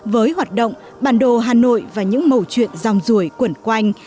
với hoạt động bản đồ hà nội và những mâu chuyện dòng ruổi quẩn quanh